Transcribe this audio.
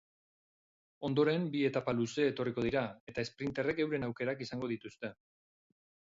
Ondoren bi etapa luze etorriko dira, eta esprinterrek euren aukerak izango dituzte.